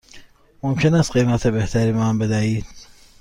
ممکن است قیمت بهتری به من بدهید؟